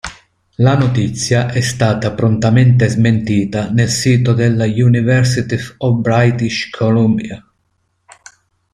La notizia è stata prontamente smentita nel sito della University of British Columbia.